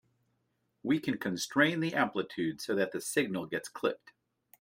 We can constrain the amplitude so that the signal gets clipped.